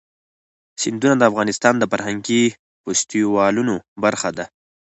سیندونه د افغانستان د فرهنګي فستیوالونو برخه ده.